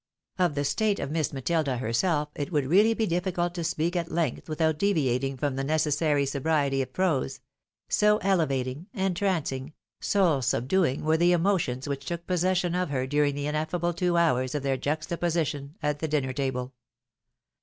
Of the state of Miss Matilda herself it would really be difficult to speak at length without deviating from the necessary sobriety of prose ; so elevating, entrancing, soul subduing were the emotions which took possession of her during the ineffable two hours of their juita position at the dinner table.